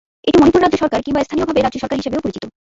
এটি মণিপুর রাজ্য সরকার কিংবা স্থানীয়ভাবে রাজ্য সরকার হিসাবেও পরিচিত।